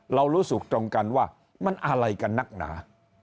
เรารู้สึกตรงกันว่ามันอะไรกันนักหนา